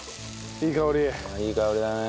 いい香りだね。